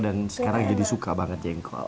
dan sekarang jadi suka banget jengkol